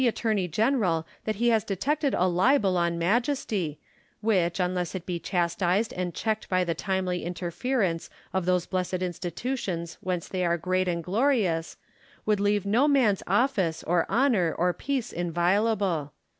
attorney general that he has detected a libel on Majesty, which, unless it be chastised and checked by the timely interference of those blessed institutions whence they are great and glorious, would leave no man's office, or honour, or peace inviolable.